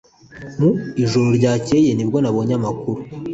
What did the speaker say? Mu ijoro ryakeye nibwo nabonye amakuru.